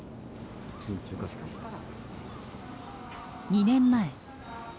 ２年前。